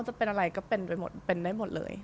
จะเป็นอะไรก็เป็นได้หมดเลย